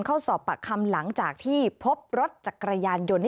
เข้าสอบปากคำหลังจากที่พบรถจักรยานยนต์